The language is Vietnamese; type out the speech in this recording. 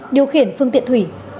điều khiển phương tiện thủy